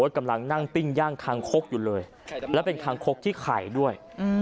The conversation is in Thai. กำลังนั่งปิ้งย่างคางคกอยู่เลยแล้วเป็นคางคกที่ไข่ด้วย